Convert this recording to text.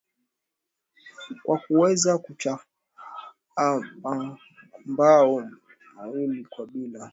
kwa kuweza kuwachapanga mabao mawili kwa bila